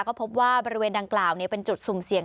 ก็พบว่าบริเวณดังกล่าวเป็นจุดสุ่มเสี่ยง